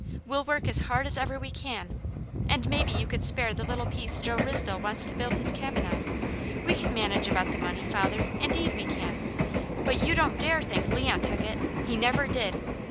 We'll work as hard as ever we can, and maybe you could spare the little piece Joe Risdell wants to build his cabin on. We can manage about the money, father, indeed we can. But you don't dare think Leon took it! He never did!